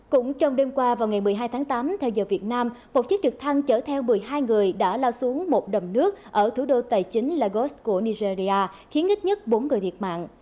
cũng trong đêm qua vào ngày một mươi hai tháng tám theo giờ việt nam một chiếc trực thăng chở theo một mươi hai người đã lao xuống một đầm nước ở thủ đô tài chính lagos của nigeria khiến ít nhất bốn người thiệt mạng